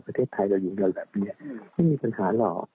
ประเทศไทยเราอยู่กันแบบนี้ไม่มีปัญหาหล่อ